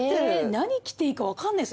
何着ていいか分かんないです